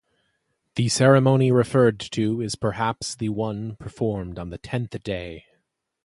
The ceremony referred to is perhaps the one performed on the tenth day.